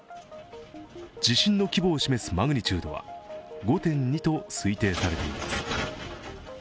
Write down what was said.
地震の規模を示すマグニチュードは５．２と推定されています。